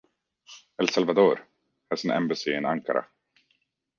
El Salvador has an embassy in Ankara.